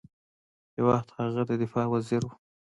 یو وخت هغه د دفاع وزیر ؤ